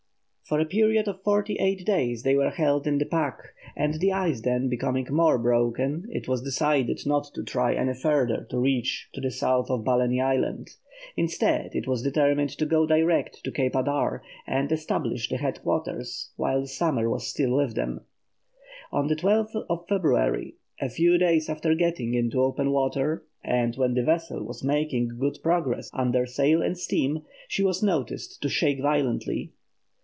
For a period of forty eight days they were held in the pack, and the ice then becoming more broken it was decided not to try any further to reach to the south of Balleny Island; instead, it was determined to go direct to Cape Adare, and establish the headquarters while the summer was still with them. On February 12, a few days after getting into open water, and when the vessel was making good progress under sail and steam, she was noticed to shake violently.